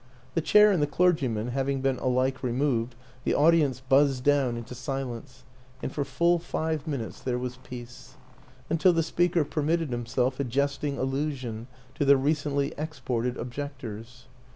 The chair and the clergyman having been alike re moved, the audience buzzed down into silence, and for full five minutes there was peace until the speaker permitted himself a jesting allusion to the recently exported objectors.